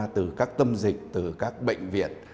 từ các tâm dịch từ các bệnh viện